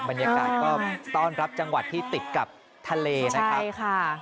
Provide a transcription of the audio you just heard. บรรยากาศก็ต้อนรับจังหวัดที่ติดกับทะเลนะครับใช่ค่ะ